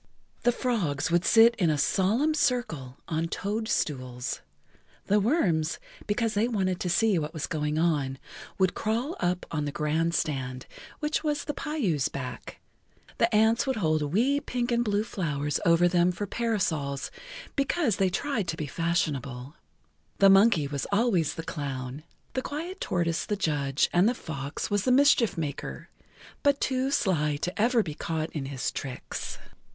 The frogs would sit in a solemn circle on toadstools, the worms, because they wanted to see what was going on, would crawl up on the grand stand, which was the pouyou's back, the ants would hold wee pink and blue flowers over them for parasols because they tried to be fashionable, the monkey was always the clown, the[Pg 14] quiet tortoise the judge and the fox was the mischief maker, but too sly to ever be caught in his tricks.